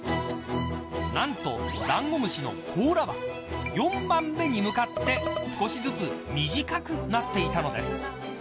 なんと、だんごむしの甲羅は４番目に向かって少しずつ短くなっていたのです。